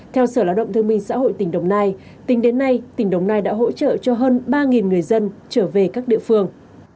theo sở lao động thương minh xã hội tỉnh đồng nai tính đến nay tỉnh đồng nai đã hỗ trợ cho hơn ba người dân trở về các địa phương